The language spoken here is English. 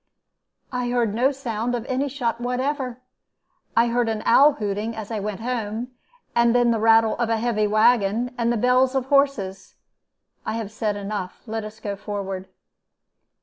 "'I heard no sound of any shot whatever. I heard an owl hooting as I went home, and then the rattle of a heavy wagon, and the bells of horses. I have said enough. Let us go forward.'